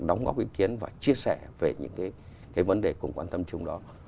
đóng góp ý kiến và chia sẻ về những cái vấn đề cùng quan tâm chung đó